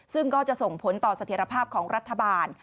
ซึ่งก็จะส่งผลต่อเสถียรภาพของรัฐบาล